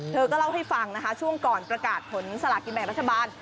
เธอก็เล่าให้ฟังนะคะช่วงก่อนประกาศผลสลากินแบ่งรัฐบาล